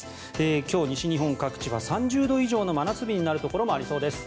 今日、西日本各地は３０度以上の真夏日になるところもありそうです。